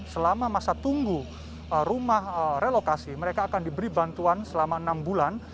selama masa tunggu rumah relokasi mereka akan diberi bantuan selama enam bulan